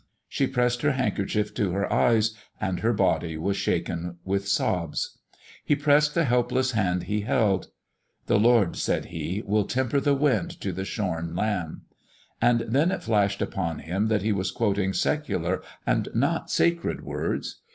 She pressed her handkerchief to her eyes, and her body was shaken with sobs. He pressed the helpless hand he held. "The Lord," said he, "will temper the wind to the shorn lamb." And then it flashed upon him that he was quoting secular and not sacred words.